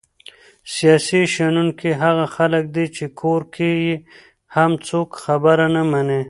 سیاسي شنونکي هغه خلک دي چې کور کې یې هم څوک خبره نه مني!